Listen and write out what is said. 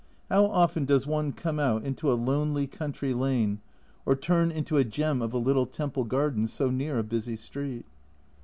How often does one come out into a lonely country lane, or turn into a gem of a little temple garden so near a busy street